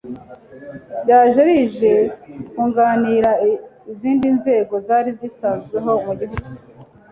ryaje rije kunganira izindi nzego zari zisanzweho mu Gihugu,